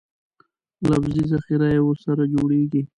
لفظي ذخیره یې ورسره جوړېږي.